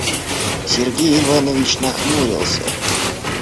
Сергей Иванович нахмурился.